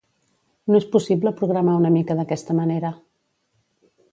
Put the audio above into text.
No és possible programar una mica d'aquesta manera.